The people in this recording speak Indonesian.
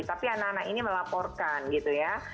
tapi anak anak ini melaporkan gitu ya